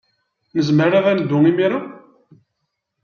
Nezmer ad neddu imir-a?